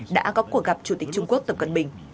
đã có cuộc gặp chủ tịch trung quốc tập cận bình